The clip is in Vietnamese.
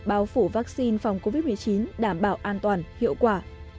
bao phủ vaccine phòng covid một mươi chín đảm bảo an toàn hiệu quả